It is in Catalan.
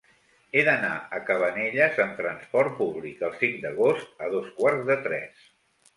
He d'anar a Cabanelles amb trasport públic el cinc d'agost a dos quarts de tres.